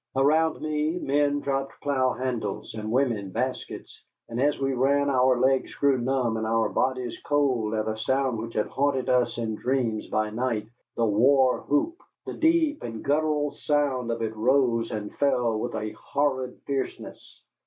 Around me men dropped plough handles and women baskets, and as we ran our legs grew numb and our bodies cold at a sound which had haunted us in dreams by night the war whoop. The deep and guttural song of it rose and fell with a horrid fierceness.